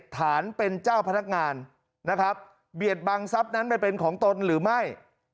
ฐานเป็นเจ้าพนักงานนะครับเบียดบังทรัพย์นั้นไม่เป็นของตนหรือไม่